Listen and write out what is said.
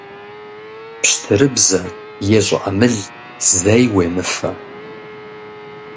Пщтырыбзэ е щӀыӀэмыл зэи уемыфэ.